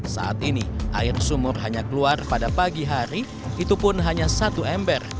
saat ini air sumur hanya keluar pada pagi hari itu pun hanya satu ember